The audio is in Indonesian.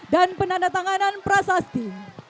dan penanda tanganan prasasti